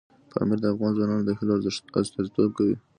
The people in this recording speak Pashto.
پامیر د افغان ځوانانو د هیلو استازیتوب کوي.